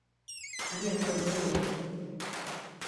আমি আপনার নামে বলি।